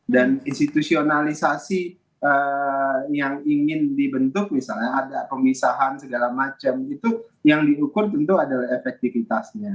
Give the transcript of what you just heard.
dan institusionalisasi yang ingin dibentuk misalnya ada pemisahan segala macam itu yang diukur tentu adalah efektifitasnya